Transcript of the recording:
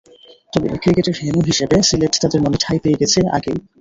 তবে ক্রিকেটের ভেন্যু হিসেবে সিলেট তাদের মনে ঠাঁই পেয়ে গেছে আগেই।